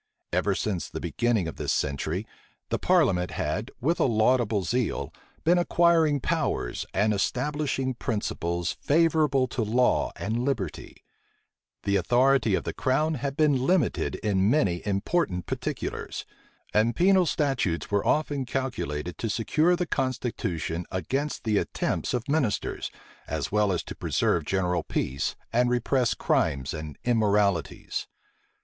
Ever since the beginning of this century, the parliament had, with a laudable zeal, been acquiring powers and establishing principles favorable to law and liberty: the authority of the crown had been limited in many important particulars: and penal statutes were often calculated to secure the constitution against the attempts of ministers, as well as to preserve general peace, and repress crimes and immoralities.